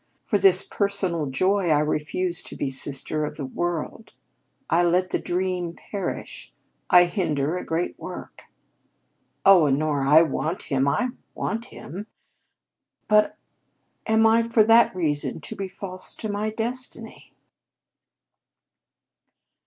For this personal joy I refuse to be the Sister of the World; I let the dream perish; I hinder a great work'? Oh, Honora, I want him, I want him! But am I for that reason to be false to my destiny?"